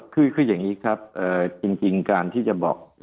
คืออย่างนี้ครับจริงการที่จะบอก